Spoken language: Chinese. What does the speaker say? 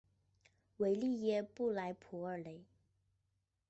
维利耶尔莱普雷。